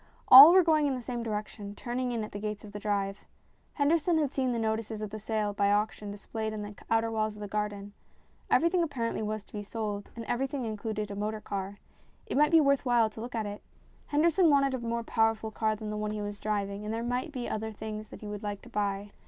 All were going in the same direction, turning in at the gates of the drive. Henderson had seen the notices of the sale by auction dis played on the outer walls of the garden. Every thing apparently was to be sold, and everything included a motor car. It might be worth while to look at it. Henderson wanted a more powerful car than the one he was driving, and there might be other things that he would like to buy.